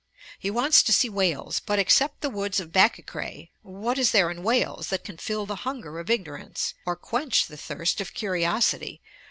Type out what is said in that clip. He wants to see Wales; but except the woods of Bachycraigh (post, v. 436), what is there in Wales, that can fill the hunger of ignorance, or quench the thirst of curiosity?